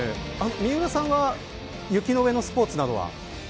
三浦さんは雪の上のスポーツなどは。